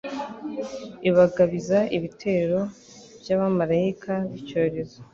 ibagabiza igitero cy’abamalayika b’icyorezo